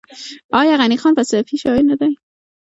آیا غني خان فلسفي شاعر نه دی؟